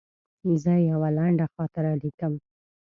زه یوه لنډه خاطره لیکم.